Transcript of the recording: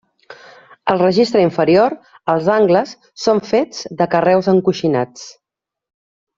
Al registre inferior els angles són fets de carreus encoixinats.